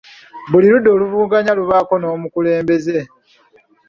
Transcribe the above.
Buli ludda oluvuganya lubaako n'omukulembeze.